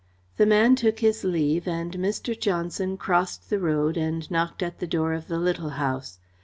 The man took his leave and Mr. Johnson crossed the road and knocked at the door of the Little House.